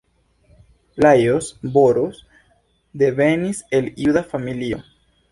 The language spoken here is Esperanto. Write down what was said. Lajos Boros devenis el juda familio.